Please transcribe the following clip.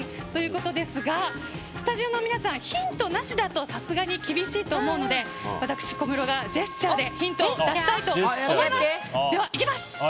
ということですがスタジオの皆さんヒントなしだとさすがに厳しいと思うので私、小室がジェスチャーでヒントを出したいと思います。